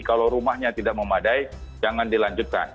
kalau rumahnya tidak memadai jangan dilanjutkan